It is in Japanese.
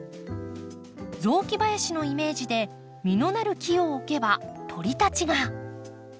雑木林のイメージで実のなる木を置けば鳥たちが。